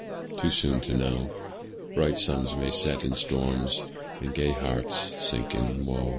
too soon to know Bright suns may set in storms, and gay hearts sink in wo.